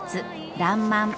「らんまん」